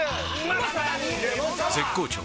絶好調！！